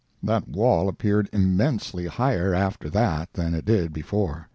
That wall appeared immensely higher after that than it did before.